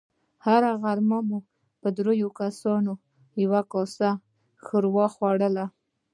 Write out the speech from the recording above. هره غرمه مو په دريو کسانو يوه کاسه ښوروا خوړله.